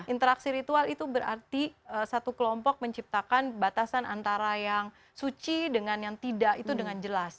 interaksi ritual itu berarti satu kelompok menciptakan batasan antara yang suci dengan yang tidak itu dengan jelas